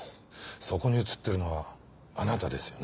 そこに写ってるのはあなたですよね？